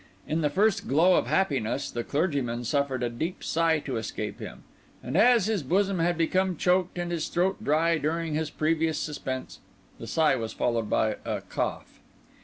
In the first glow of happiness, the clergyman suffered a deep sigh to escape him; and as his bosom had become choked and his throat dry during his previous suspense, the sigh was followed by a cough.